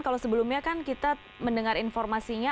kalau sebelumnya kan kita mendengar informasinya